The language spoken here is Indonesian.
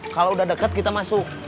kalau udah dekat kita masuk